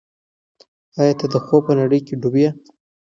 ایا ته د خوب په نړۍ کې ډوب یې؟